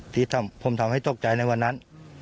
ที่ผมทำให้ตกใจในวันนั้น